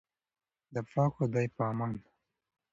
د پاک خدای په امان.